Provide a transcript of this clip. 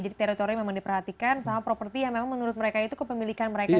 jadi teritori memang diperhatikan sama properti yang memang menurut mereka itu kepemilikan mereka sendiri